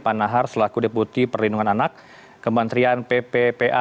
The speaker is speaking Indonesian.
pak nahar selaku deputi perlindungan anak kementerian pppa